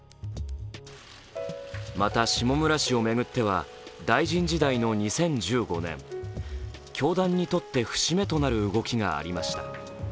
また、下村氏を巡っては大臣時代の２０１５年、教団にとって節目となる動きがありました。